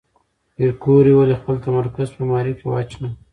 پېیر کوري ولې خپل تمرکز په ماري کې واچاوه؟